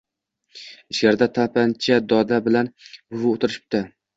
Ichkarida tapchanda doda bilan buvi o’tirishibdi.